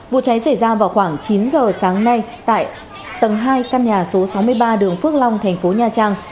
vụ cháy xảy ra vào khoảng chín giờ sáng nay tại tầng hai căn nhà số sáu mươi ba đường phước long thành phố nha trang